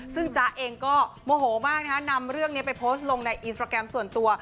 ซึ่งจ๊ะเองก็โมโหมากนะคะนำเรื่องนี้ไปโพสต์ลงในอินสตราแกรมส่วนตัว